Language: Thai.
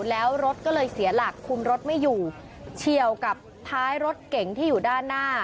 แล้วรถก็เลยเสียหลักคุมรถไม่อยู่เฉียวกับท้ายรถเก๋งที่อยู่ด้านหน้า